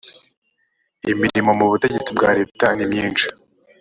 imirimo mu butegetsi bwa leta nimyinshi